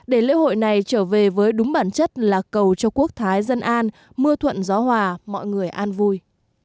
để lễ hội này trở về với đúng bản chất là cầu cho quốc thái dân an mưa thuận gió hòa mọi người an vui